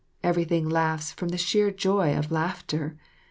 Everything laughs from the sheer joy of laughter.